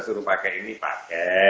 suruh pakai ini pakai